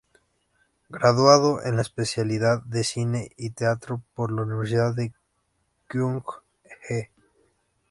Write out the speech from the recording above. Graduado en la Especialidad de Cine y Teatro por la Universidad de Kyung Hee.